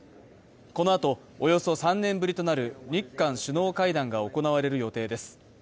このあと、およそ３年ぶりとなる日韓首脳会談が行われる予定です。